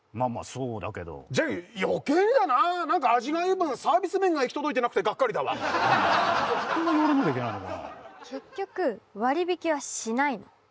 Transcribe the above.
そうだけどじゃあよけいやな何か味がいい分サービス面が行き届いてなくてガッカリだわそんな言われなきゃいけないのかな結局割引はしないの？